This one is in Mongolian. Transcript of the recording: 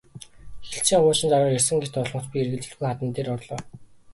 Хэлтсийн хуучин дарга ирсэн гэж дуулмагц би эргэлзэлгүй хадам дээр орлоо.